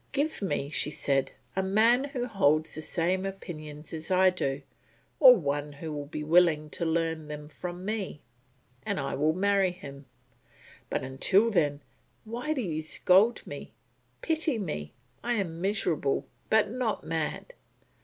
"Give me," said she, "a man who holds the same opinions as I do, or one who will be willing to learn them from me, and I will marry him; but until then, why do you scold me? Pity me; I am miserable, but not mad.